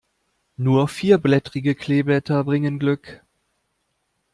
Nur vierblättrige Kleeblätter bringen Glück.